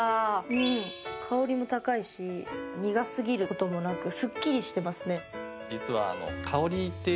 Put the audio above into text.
うん香りも高いし苦すぎることもなくすっきりしてますね